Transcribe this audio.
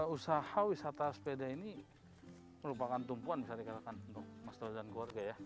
usaha wisata sepeda ini merupakan tumpuan bisa dikatakan untuk mas toto dan keluarga ya